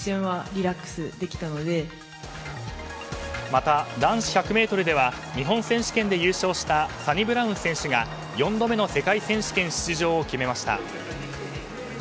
また、男子１００ｍでは日本選手権で優勝したサニブラウン選手が４度目の世界選手権出場を決めました。